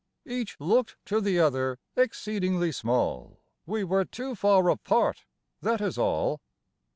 Each looked to the other exceedingly small; We were too far apart, that is all.